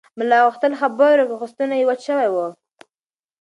ملا غوښتل خبرې وکړي خو ستونی یې وچ شوی و.